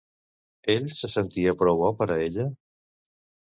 Ell se sentia prou bo per a ella?